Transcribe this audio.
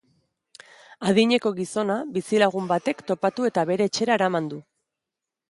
Adineko gizona, bizilagun batek topatu eta bere etxera eraman du.